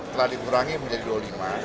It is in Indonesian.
telah dikurangi menjadi dua puluh lima